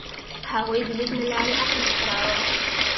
هغوی د لیک له لارې عقل خپراوه.